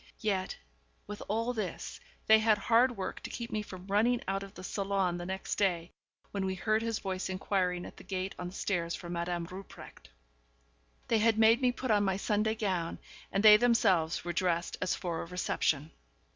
Yet, with all this, they had hard work to keep me from running out of the salon the next day, when we heard his voice inquiring at the gate on the stairs for Madame Rupprecht. They had made me put on my Sunday gown, and they themselves were dressed as for a reception.